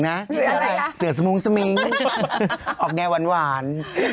อะไรละเสือสมุกสมิงออกแนววาน